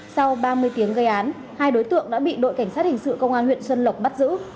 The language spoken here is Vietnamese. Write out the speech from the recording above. sau ba mươi tiếng gây án hai đối tượng đã bị đội cảnh sát hình sự công an huyện xuân lộc bắt giữ